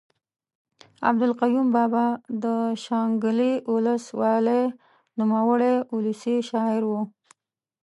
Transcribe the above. عبدالقیوم بابا د شانګلې اولس والۍ نوموړے اولسي شاعر ؤ